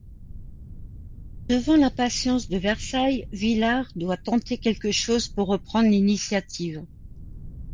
Devant l'impatience de Versailles, Villars doit tenter quelque chose pour reprendre l’initiative.